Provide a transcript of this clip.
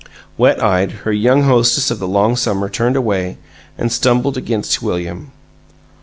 Wet eyed, her young hostess of the long summer turned away, and stumbled against William.